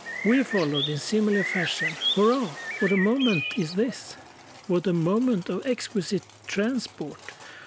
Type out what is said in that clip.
We followed, in similar fashion; Hurrah, what a moment is this! What a moment of exquisite transport!